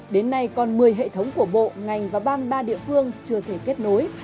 đến nay còn một mươi hệ thống của bộ ngành và ba mươi ba địa phương chưa thể kết nối